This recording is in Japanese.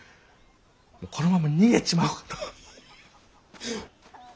このまま逃げちまおうとハハ。